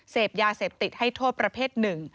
เสพยาเสพติดให้โทษประเภทหนึ่ง